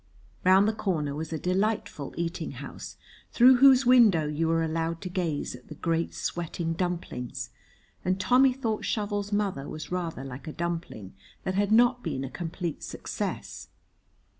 Round the corner was a delightful eating house, through whose window you were allowed to gaze at the great sweating dumplings, and Tommy thought Shovel's mother was rather like a dumpling that had not been a complete success.